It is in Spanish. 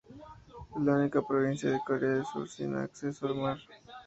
Es la única provincia de Corea del Sur sin acceso al mar.